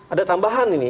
ada tambahan ini